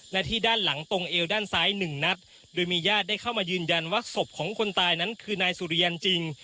และที่ด้านหลังตรงเอวด้านซ้ายหนึ่งนัดโดยมีญาติได้เข้ามายืนยันว่าศพของคนตายนั้นคือนายสุริยันจริง